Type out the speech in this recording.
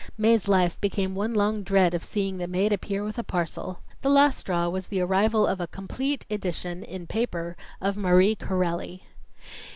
Mae's life became one long dread of seeing the maid appear with a parcel. The last straw was the arrival of a complete edition in paper of Marie Corelli.